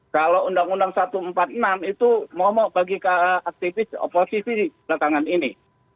kalau undang undang satu ratus empat puluh enam itu momok bagi aktivis oposisi belakangan ini